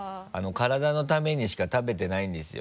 体のためにしか食べてないんですよ。